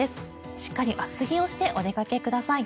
しっかり厚着をしてお出かけください。